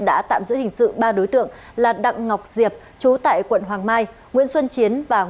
đã tạm giữ hình sự ba đối tượng là đặng ngọc diệp chú tại quận hoàng mai nguyễn xuân chiến và nguyễn